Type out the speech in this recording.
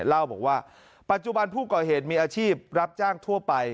เล่าบอกว่าปัจจุบันผู้ก่อเหตุมีอาชีพรับจ้างทั่วไป